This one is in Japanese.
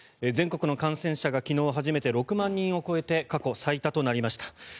全国の感染者が昨日初めて６万人を超えて過去最多となりました。